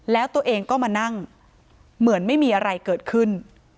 แล้วตัวเองก็มานั่งเหมือนไม่มีอะไรเกิดขึ้น